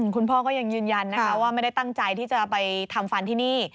ก็ยังยืนยันนะคะว่าไม่ได้ตั้งใจที่จะไปทำฟันที่นี่